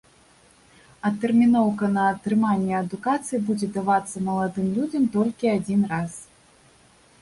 Адтэрміноўка на атрыманне адукацыі будзе давацца маладым людзям толькі адзін раз.